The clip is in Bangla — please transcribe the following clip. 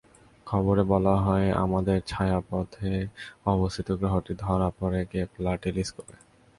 খবরে বলা হয়, আমাদের ছায়াপথেই অবস্থিত গ্রহটি ধরা পড়ে কেপলার টেলি-স্কোপে।